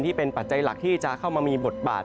ปัจจัยหลักที่จะเข้ามามีบทบาท